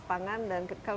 ya ini adalah